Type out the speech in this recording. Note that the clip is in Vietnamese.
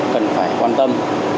cần phải quan tâm